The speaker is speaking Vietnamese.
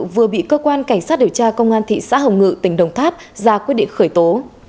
vừa bị cơ quan cảnh sát điều tra công an thị xã hồng ngự tỉnh đồng tháp ra quyết định khởi tố